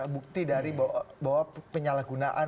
bukti dari bahwa penyalahgunaan